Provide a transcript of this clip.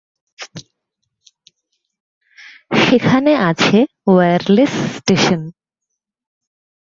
সেখানে আছে wireless station.